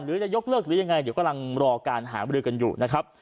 จะยกเลิกหรือยังไงเดี๋ยวกำลังรอการหาบริกันอยู่นะครับ